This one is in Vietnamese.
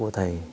đi tu của thầy